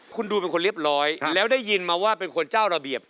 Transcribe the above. คุณดูเป็นคนเรียบร้อยแล้วได้ยินมาว่าเป็นคนเจ้าระเบียบ